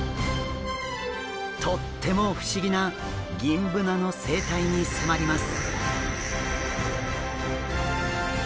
とっても不思議なギンブナの生態に迫ります。